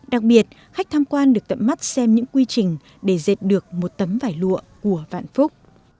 đặc biệt khách tham quan được tận mắt xem những quy trình để dệt được một tấm vải lụa của vạn phúc